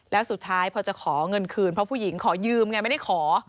แล้วสุดท้ายพอจะขอเงินคืนเพราะผู้หญิงขอยืมไงไม่ได้ขอ